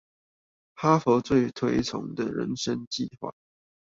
哈佛最推崇的人生計畫